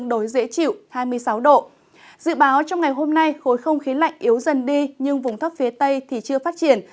dự báo trong ngày hôm nay khối không khí lạnh yếu dần đi nhưng vùng thấp phía tây thì chưa phát triển